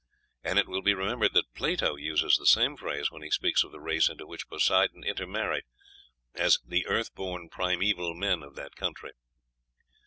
And it will be remembered that Plato uses the same phrase when he speaks of the race into which Poseidon intermarried as "the earth born primeval men of that country."